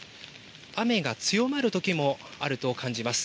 雨が強まるときもあると感じます。